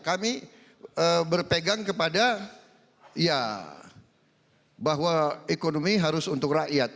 kami berpegang kepada ya bahwa ekonomi harus untuk rakyat